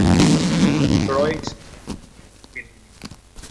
Croix, en las Islas Vírgenes.